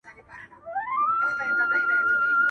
سرې سرې سترګي هیبتناکه کوټه سپی ؤ-